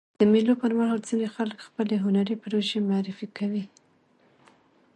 د مېلو پر مهال ځيني خلک خپلي هنري پروژې معرفي کوي.